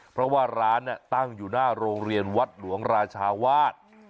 เพราะว่าร้านตั้งอยู่หน้าโรงเรียนวัดหลวงราชาวาส